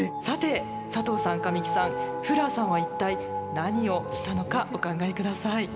さて佐藤さん神木さんフラーさんは一体何をしたのかお考え下さい。